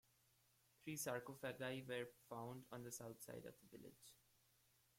Three sarcophagi were found on the south side of the village.